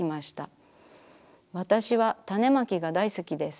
わたしは種まきが大好きです。